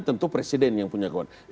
tentu presiden yang punya kewenangan